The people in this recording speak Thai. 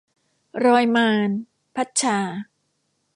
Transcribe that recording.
รอยมาร - พัดชา